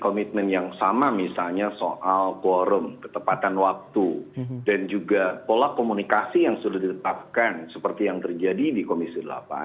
komitmen yang sama misalnya soal quorum ketepatan waktu dan juga pola komunikasi yang sudah ditetapkan seperti yang terjadi di komisi delapan